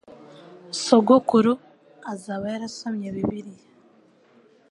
Sogokuru azaba yarasomye Bibiliya